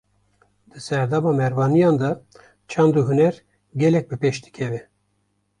Di serdema Merwaniyan de çand û huner, gelek bi pêş dikeve